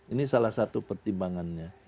ini salah satu pertimbangannya